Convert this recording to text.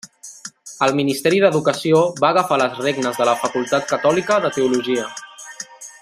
El ministeri d'educació va agafar les regnes de la facultat catòlica de teologia.